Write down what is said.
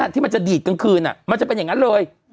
ที่มันจะดีดกลางคืนมันจะเป็นอย่างนั้นเลย